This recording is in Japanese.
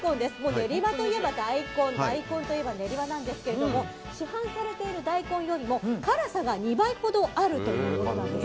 練馬といえば大根大根といえば練馬なんですが市販されている大根よりも辛さが２倍ほどあるということなんです。